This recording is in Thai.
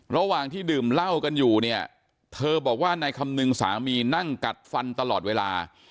ระหว่างที่ดื่มเหล้ากันอยู่เนี่ยเธอบอกว่านายคำนึงสามีนั่งกัดฟันตลอดเวลา